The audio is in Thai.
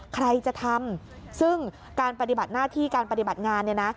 ใครจะทำซึ่งการปฏิบัติหน้าที่การปฏิบัติงานเนี่ยนะ